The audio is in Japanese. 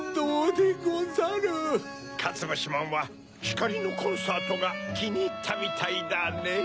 まんはひかりのコンサートがきにいったみたいだねぇ。